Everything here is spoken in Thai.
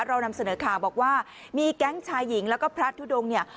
เรานำเสนอข่าวบอกว่ามีแก๊งชายหญิงแล้วก็พระทุดงเนี่ย